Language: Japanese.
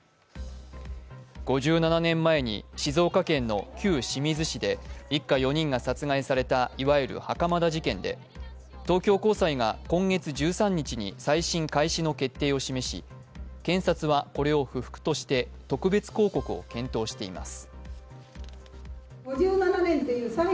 ５７年前に静岡県の旧清水市で一家４人が殺害されたいわゆる袴田事件で東京高裁が今月１３日に、再審開始の決定を示し、検察はこれを不服として特別抗告を検討しています。